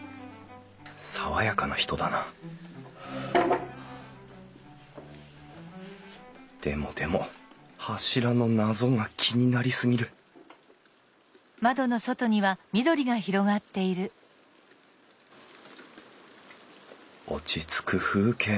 爽やかな人だなでもでも柱の謎が気になりすぎる落ち着く風景。